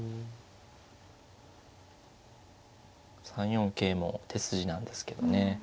３四桂も手筋なんですけどね